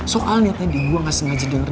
soalnya tadi gue gak sengaja dengerin